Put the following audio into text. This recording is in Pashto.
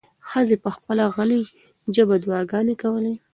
ښځې په خپله غلې ژبه دعاګانې کولې.